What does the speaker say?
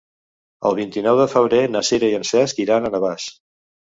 El vint-i-nou de febrer na Sira i en Cesc iran a Navàs.